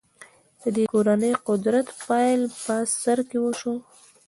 د دې کورنۍ قدرت پیل په سر کې وشو.